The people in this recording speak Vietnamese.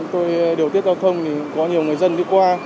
tôi điều tiết giao thông thì có nhiều người dân đi qua